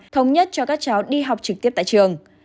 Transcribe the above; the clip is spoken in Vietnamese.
thống nhất cho các cháu đi học trực tiếp tại trường